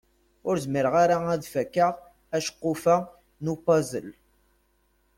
Ur zmireɣ ad d-fakkeɣ aceqquf-a n upazel.